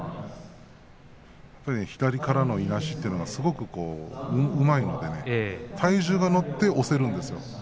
左からのいなしというのがすごくうまいので体重が乗って押せるんですよ。